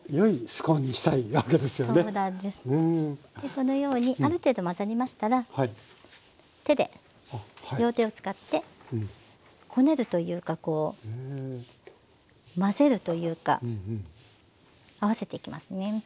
このようにある程度混ざりましたら手で両手を使ってこねるというかこう混ぜるというか合わせていきますね。